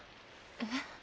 えっ？